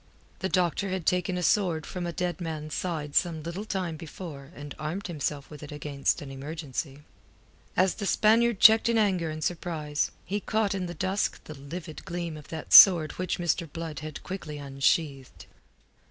The doctor had taken a sword from a dead man's side some little time before and armed himself with it against an emergency. As the Spaniard checked in anger and surprise, he caught in the dusk the livid gleam of that sword which Mr. Blood had quickly unsheathed.